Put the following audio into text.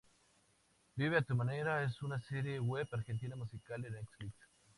Vive a tu manera es una serie web argentina musical de Netflix.